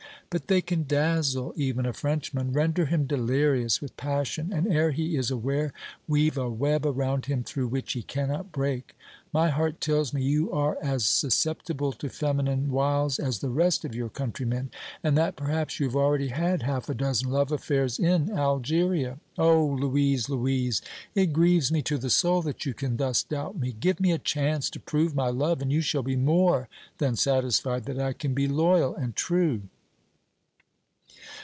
"But they can dazzle even a Frenchman, render him delirious with passion and, ere he is aware, weave a web around him through which he cannot break. My heart tells me you are as susceptible to feminine wiles as the rest of your countrymen, and that, perhaps, you have already had half a dozen love affairs in Algeria." "Oh! Louise, Louise, it grieves me to the soul that you can thus doubt me. Give me a chance to prove my love and you shall be more than satisfied that I can be loyal and true."